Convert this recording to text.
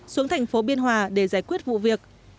xuống thành phố biên hòa để giải quyết vụ việc